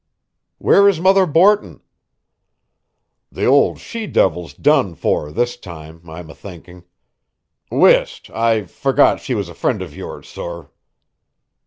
"Where is Mother Borton?" "The ould she divil's done for this time, I'm a thinking. Whist, I forgot she was a friend of yours, sor."